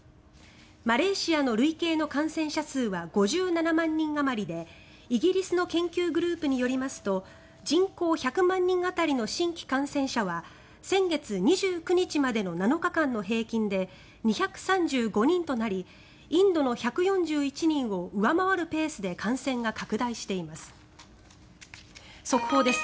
マレーシアの累計の感染者数は５７万人あまりでイギリスの研究グループによりますと人口１００万人当たりの新規感染者は先月２９日までの７日間の平均で２３５人となりインドの１４１人を上回るペースで感染が拡大しています。